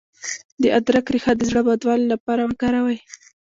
د ادرک ریښه د زړه بدوالي لپاره وکاروئ